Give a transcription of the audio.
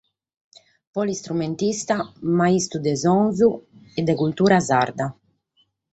Polistrumentista, mastru de sonos e de cultura sarda.